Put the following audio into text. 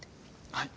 はい。